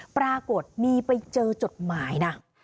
ปรากฏมีไปเจอจดหมายนะ